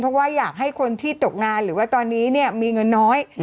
เพราะว่าอยากให้คนที่ตกงานหรือว่าตอนนี้เนี่ยมีเงินน้อย